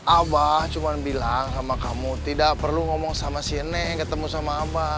abah cuma bilang sama kamu tidak perlu ngomong sama sine ketemu sama abah